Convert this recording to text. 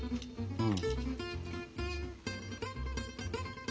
うん。